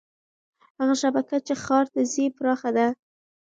هغه شبکه چې ښار ته ځي پراخه ده.